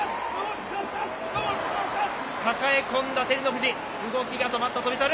抱え込んだ照ノ富士、動きが止まった翔猿。